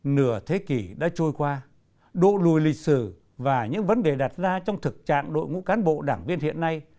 nửa thế kỷ đã trôi qua độ lùi lịch sử và những vấn đề đặt ra trong thực trạng đội ngũ cán bộ đảng viên hiện nay